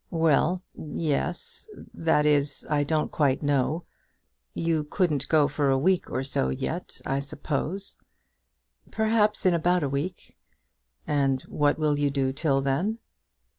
"Well; yes; that is, I don't quite know. You couldn't go for a week or so yet, I suppose." "Perhaps in about a week." "And what will you do till then?"